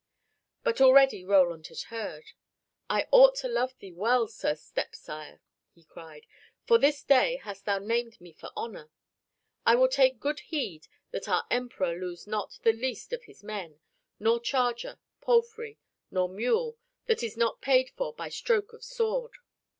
But already Roland had heard. "I ought to love thee well, Sir Stepsire," he cried, "for this day hast thou named me for honor. I will take good heed that our Emperor lose not the least of his men, nor charger, palfrey, nor mule that is not paid for by stroke of sword."